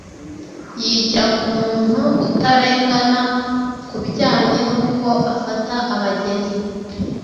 yigira ku muntu utarengana ku bijyanye nuko afata abageni